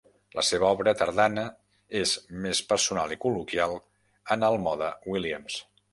La seva obra tardana és més personal i col·loquial en el mode Williams.